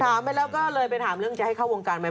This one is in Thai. ถามไปแล้วก็เลยไปถามเรื่องจะให้เข้าวงการไหม